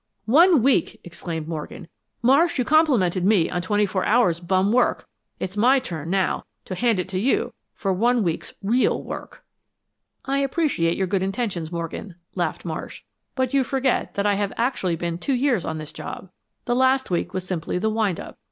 "One week!" exclaimed Morgan. "Marsh, you complimented me once on twenty four hours bum work; It's my turn now, to hand it to you for one week's REAL work." "I appreciate your good intentions, Morgan," laughed Marsh, "but you forget that I have actually been two years on this job. The last week was simply the windup.